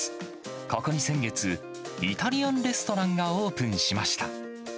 ここに先月、イタリアンレストランがオープンしました。